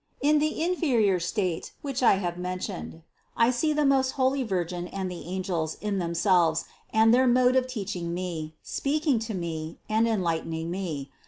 24. In the inferior state, which I have mentioned, I see the most holy virgin and the angels in themselves and their mode of teaching me, speaking to me, and enlighten ing me.